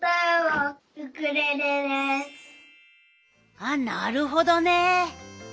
ああなるほどね！